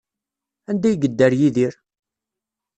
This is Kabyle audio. Anda ay yedder Yidir?